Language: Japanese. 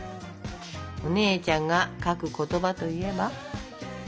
お姉ちゃんが書く言葉といえば？